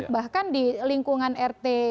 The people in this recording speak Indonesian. bahkan di lingkungan rt